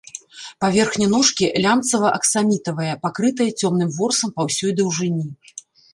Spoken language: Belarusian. Паверхня ножкі лямцава-аксамітавая, пакрытая цёмным ворсам па ўсёй даўжыні.